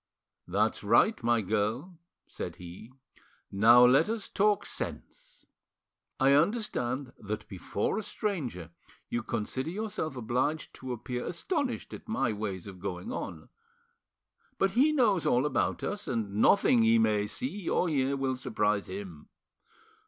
"That's right, my girl," said he; "now let us talk sense. I understand that before a stranger you consider yourself obliged to appear astonished at my ways of going on. But he knows all about us, and nothing he may see or hear will surprise him.